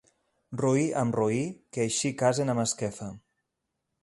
Roí amb roí, que així casen a Masquefa.